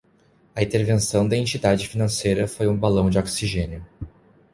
A intervenção da entidade financeira foi um balão de oxigênio.